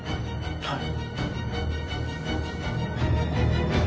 はい。